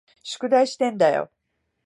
宿題してんだよ。